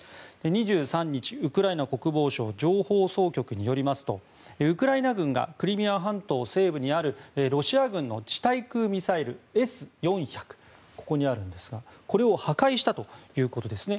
２３日、ウクライナ国防省情報総局によりますとウクライナ軍がクリミア半島西部にあるロシア軍の地対空ミサイルのＳ４００を破壊したということです。